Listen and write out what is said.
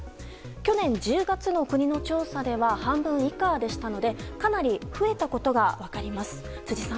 去年１０月の国の調査では半分以下でしたのでかなり増えたことが分かります。